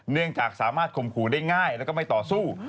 เนื่องจากสามารถข่มขู่ได้ง่ายแล้วก็ไม่ต่อสู้